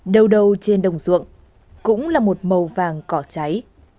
đầu đầu trên đồng ruộng cũng là một màu vàng cỏ cháy